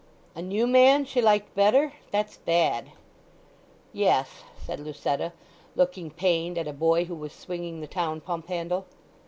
"A new man she liked better—that's bad!" "Yes," said Lucetta, looking pained at a boy who was swinging the town pump handle.